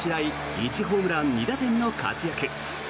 １ホームラン２打点の活躍。